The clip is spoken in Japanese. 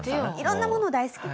色んなもの大好きです。